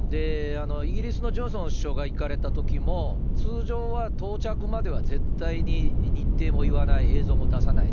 イギリスのジョンソン首相が行かれたときも、通常は到着までは絶対に日程も言わない、映像も出さない。